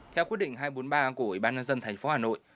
theo quyết định hai trăm bốn mươi ba của ubnd thành phố hà nội